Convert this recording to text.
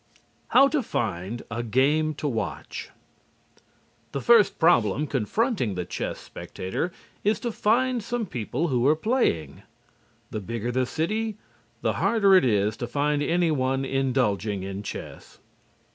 HOW TO FIND A GAME TO WATCH The first problem confronting the chess spectator is to find some people who are playing. The bigger the city, the harder it is to find anyone indulging in chess.